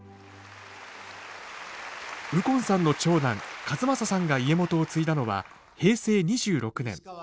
右近さんの長男千雅さんが家元を継いだのは平成２６年。